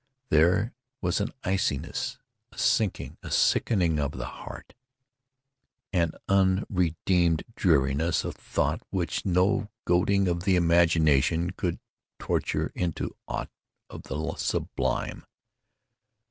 There was an iciness, a sinking, a sickening of the heart—an unredeemed dreariness of thought which no goading of the imagination could torture into aught of the sublime.